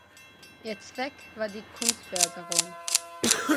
Ihr Zweck war die Kunstförderung.